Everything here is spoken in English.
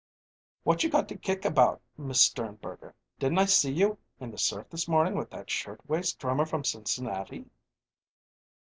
"What you got to kick about, Miss Sternberger? Didn't I see you in the surf this morning with that shirtwaist drummer from Cincinnati?"